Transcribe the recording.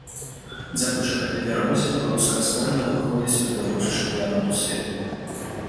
Дзякуючы гэтай перамозе беларуская зборная выходзіць у плэй-оф чэмпіянату свету.